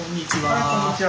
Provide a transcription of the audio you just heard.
はいこんにちは。